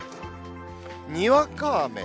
にわか雨。